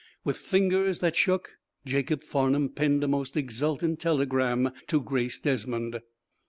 With fingers that shook Jacob Farnum penned a most exultant telegram to Grace Desmond.